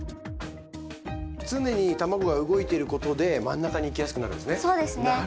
常にたまごが動いていることで真ん中にいきやすくなるんですね。